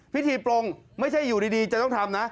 ปลงไม่ใช่อยู่ดีจะต้องทำนะ